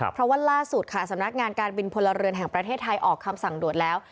เพราะว่าล่าสุดค่ะสำนักงานการบินพลเรือนแห่งประเทศไทยออกคำสั่งด่วนแล้ว